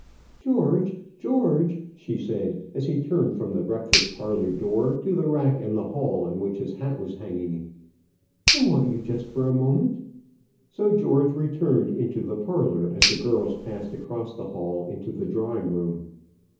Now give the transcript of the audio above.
"George, George," she said, as he turned from the breakfast parlour door to the rack in the hall on which his hat was hanging, "I want you just for a minute." So George returned into the parlour as the girls passed across the hall into the drawing room.